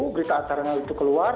berita acaranya itu keluar